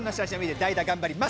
代打、頑張ります。